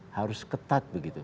harus ketat begitu